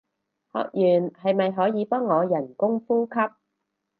學完係咪可以幫我人工呼吸